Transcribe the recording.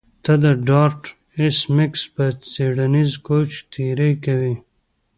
ته د ډارت ایس میکس په څیړنیز کوچ تیری کوې